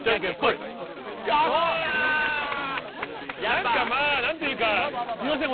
何かまぁ何というかすいません。